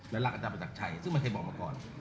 และรักอาจารย์ประจักรชัยซึ่งไม่เคยบอกมาก่อน